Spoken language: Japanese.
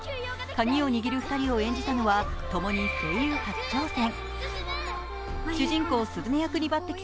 カギを握る２人を演じたのは共に声優初挑戦。